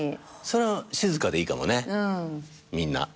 それは静かでいいかもねみんな。